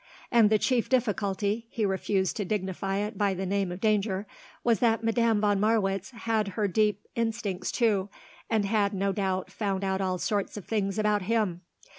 And the chief difficulty he refused to dignify it by the name of danger was that Madame von Marwitz had her deep instincts, too, and had, no doubt, found out all sorts of things about him.